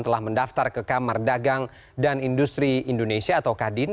telah mendaftar ke kamar dagang dan industri indonesia atau kadin